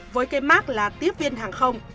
với cái mát là tiếp viên hàng không